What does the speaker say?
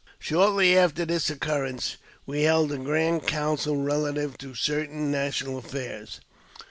Shortly after this occurrence we held a grand council relative to certain national affairs.